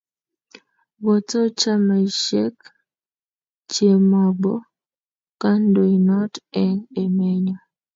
boto chamaisiek che mabo kandoinot eng' emenyo